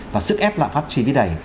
và sức ép lạm phát chi phí đầy